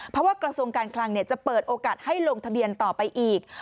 เพราะว่ากระทรวงการคลังจะเปิดโอกาสให้ลงทะเบียนต่อไปอีก